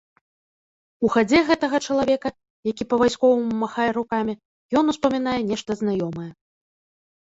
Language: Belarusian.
У хадзе гэтага чалавека, які па-вайсковаму махае рукамі, ён успамінае нешта знаёмае.